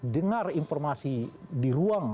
dengar informasi di ruang